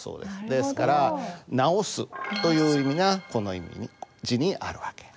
ですから直すという意味がこの字にある訳。